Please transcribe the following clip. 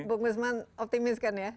tapi bu guzman optimis kan ya